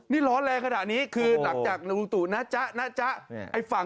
นี่ร้อนแรงขนาดนี้คือหลังจากลุงตู่นะจ๊ะนะจ๊ะ